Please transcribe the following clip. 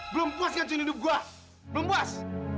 belum puas kan cun hidup gua belum puas